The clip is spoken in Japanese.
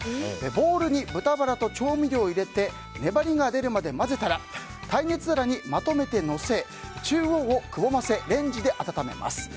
ボウルに豚バラと調味料を入れて粘りが出るまで混ぜたら耐熱皿にまとめてのせ中央をくぼませレンジで温めます。